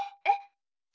えっ？